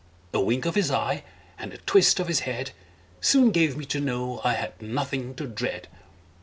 A wink of his eye, and a twist of his head, Soon gave me to know I had nothing to dread.